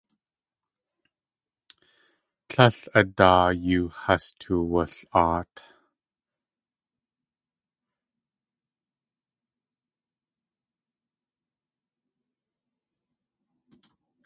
Tlél a daa yoo has tuwul.aat.